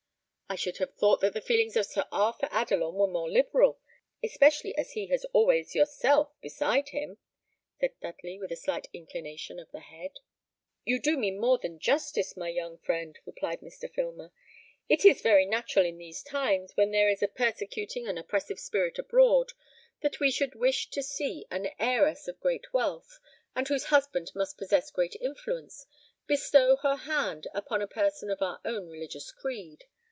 "I should have thought that the feelings of Sir Arthur Adelon were more liberal, especially as he has always yourself beside him," said Dudley, with a slight inclination of the head. "You do me more than justice, my young friend," replied Mr. Filmer; "it is very natural in these times, when there is a persecuting and oppressive spirit abroad, that we should wish to see an heiress of great wealth, and whose husband must possess great influence, bestow her hand upon a person of our own religious creed.